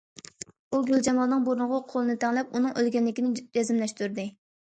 ئۇ گۈلجامالنىڭ بۇرنىغا قولىنى تەڭلەپ، ئۇنىڭ ئۆلگەنلىكىنى جەزملەشتۈردى.